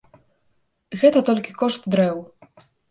Гэта толькі кошт дрэў.